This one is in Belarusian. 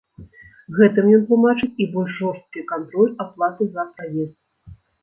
Гэтым ён тлумачыць і больш жорсткі кантроль аплаты за праезд.